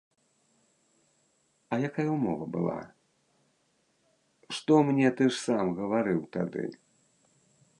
А якая ўмова была, што мне ты ж сам гаварыў тады?